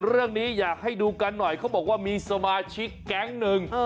เรื่องนี้อยากให้ดูกันหน่อยเขาบอกว่ามีสมาชิกแก๊งหนึ่ง